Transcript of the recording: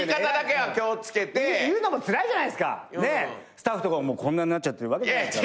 スタッフとかこんなんなってるわけじゃないですか。